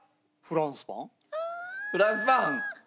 フランスパン？